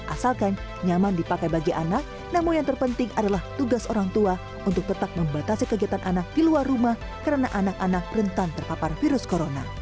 asalkan nyaman dipakai bagi anak namun yang terpenting adalah tugas orang tua untuk tetap membatasi kegiatan anak di luar rumah karena anak anak rentan terpapar virus corona